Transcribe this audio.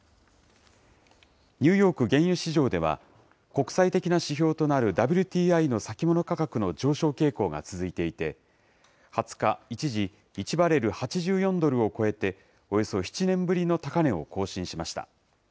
ニューヨーク原油市場では、国際的な指標となるＷＴＩの先物価格の上昇傾向が続いていて、２０日、一時、１バレル８４ドルを超えて、およそ７年ぶりの高値を更新しました。